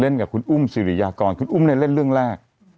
กับคุณอุ้มสิริยากรคุณอุ้มเนี่ยเล่นเรื่องแรก